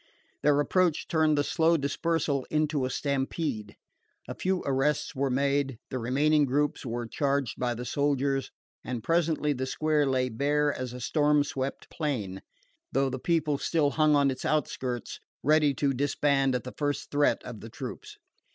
Their approach turned the slow dispersal to a stampede. A few arrests were made, the remaining groups were charged by the soldiers, and presently the square lay bare as a storm swept plain, though the people still hung on its outskirts, ready to disband at the first threat of the troops.